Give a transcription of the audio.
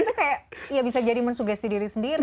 jadi itu kayak ya bisa jadi mensuggesti diri sendiri